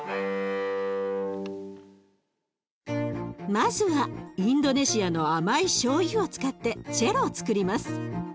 まずはインドネシアの甘いしょうゆを使ってチェロをつくります。